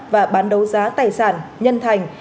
và bán đấu giá tài sản nhân thành